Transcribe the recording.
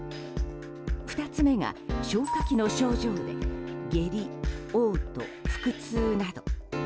２つ目が消化器の症状で下痢、嘔吐、腹痛など。